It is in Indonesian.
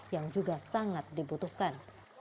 yang juga sangat dibutuhkan